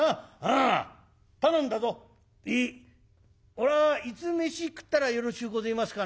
おらいつ飯食ったらよろしゅうごぜえますかな？」。